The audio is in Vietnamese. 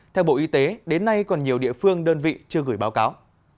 theo bộ y tế đến nay còn nhiều địa phương đơn vị chưa gửi báo cáo